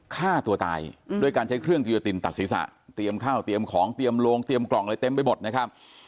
ฆ่าตัวตายด้วยการใช้เครื่องกิโยตินตัดศีรษะเตรียมข้าวเตรียมของเตรียมโลงเตรียมกล่องอะไรเต็มไปหมดนะครับ